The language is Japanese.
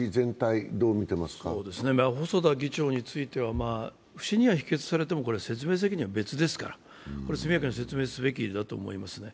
細田議長については不信任案が否決されても説明責任は別ですから速やかに説明すべきだと思いますね。